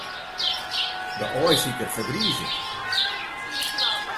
De aaisiker fergrizet.